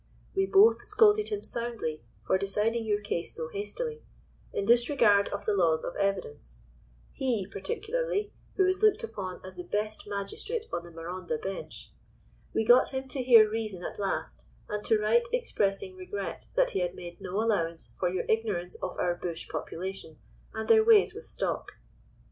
We both scolded him soundly for deciding your case so hastily, in disregard of the laws of evidence. He particularly, who is looked upon as the best magistrate on the Marondah bench. We got him to hear reason at last, and to write expressing regret that he had made no allowance for your ignorance of our bush population, and their ways with stock.